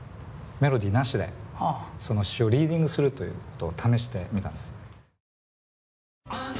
メロディーなしでその詞をリーディングするということを試してみたんです。